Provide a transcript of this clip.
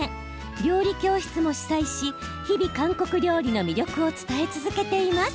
料理教室も主催し日々、韓国料理の魅力を伝え続けています。